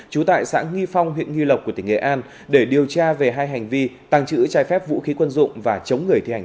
trú tại xã nghi phong huyện nghi lộc của tỉnh nghệ an để điều tra về hai hành vi tàng trữ trái phép vũ khí quân dụng và chống người thi hành